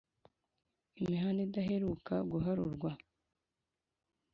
imihanda idaheruka guharurwa